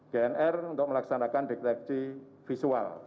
gnr untuk melaksanakan deteksi visual